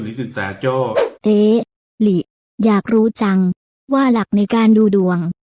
หรือสินแสโจ้เอ๊ะหลิอยากรู้จังว่าหลักในการดูดวง